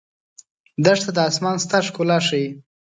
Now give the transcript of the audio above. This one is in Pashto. دښته د آسمان ستر ښکلا ښيي.